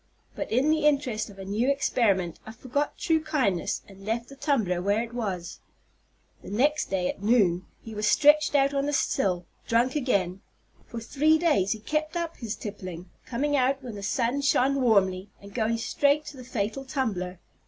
But in the interest of a new experiment I forgot true kindness, and left the tumbler where it was. The next day, at noon, he was stretched out on the sill, drunk again. For three days he kept up his tippling, coming out when the sun shone warmly, and going straight to the fatal tumbler.